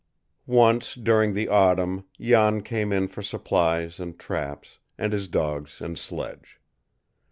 Once during the autumn Jan came in for supplies and traps, and his dogs and sledge.